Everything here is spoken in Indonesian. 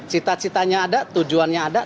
cita citanya ada tujuannya ada